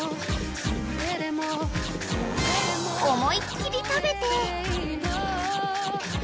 ［思いっ切り食べて］